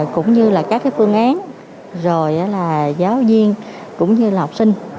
cũng như là các phương án rồi là giáo viên cũng như là học sinh